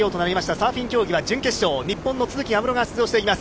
サーフィン競技は準決勝、日本の都筑有夢路が出場しています。